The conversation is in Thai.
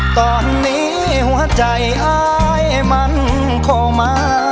ตอนนี้หัวใจอ้ายมันโคมะ